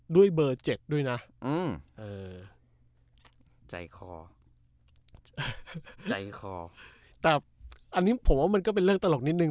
ด้วยเบอร์๗ด้วยนะใจคอใจคอแต่อันนี้ผมว่ามันก็เป็นเรื่องตลกนิดนึ